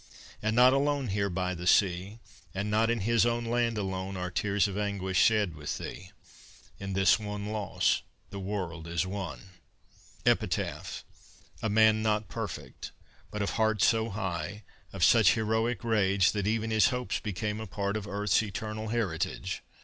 And not alone here by the sea, And not in his own land alone, Are tears of anguish shed with thee In this one loss the world is one. EPITAPH A man not perfect, but of heart So high, of such heroic rage, That even his hopes became a part Of earth's eternal heritage.